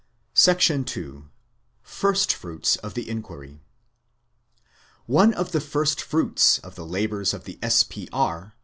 2 Firstfruits of the Inquiry One of the firstfruits of the labours of the S.P.R.